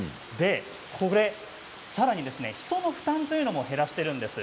こちら、さらに人の負担というのも減らしています。